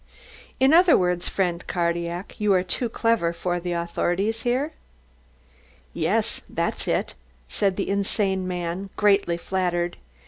"In other words, friend Cardillac, you are too clever for the authorities here? "Yes, that's it," said the insane man greatly flattered.